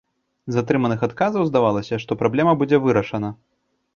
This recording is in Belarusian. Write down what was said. З атрыманых адказаў здавалася, што праблема будзе вырашана.